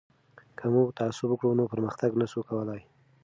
که موږ تعصب وکړو نو پرمختګ نه سو کولای.